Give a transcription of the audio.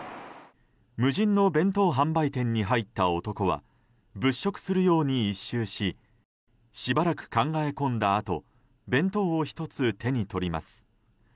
無人の弁当販売店に入った男は物色するように１周ししばらく考え込んだあと弁当を１つ手に取ります。